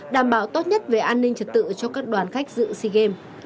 đảm bảo tốt nhất về an ninh trật tự cho các đoàn khách dự sea games